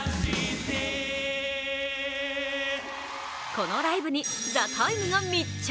このライブに「ＴＨＥＴＩＭＥ，」が密着。